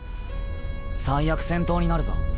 最悪戦闘になるぞ。